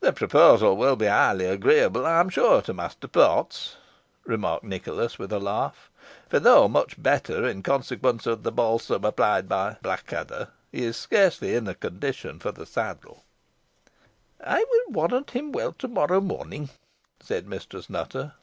"The proposal will be highly agreeable, I am sure, to Master Potts," remarked Nicholas, with a laugh; "for though much better, in consequence of the balsam applied by Blackadder, he is scarcely in condition for the saddle." "I will warrant him well to morrow morning," said Mistress Nutter.